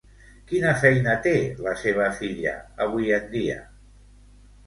Quina feina té la seva filla avui en dia?